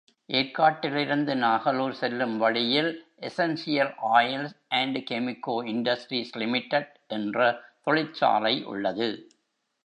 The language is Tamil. ஏர்க்காட்டிலிருந்து நாகலூர் செல்லும் வழியில் essential oils and Chemico industries limited என்ற தொழிற்சாலை உள்ளது.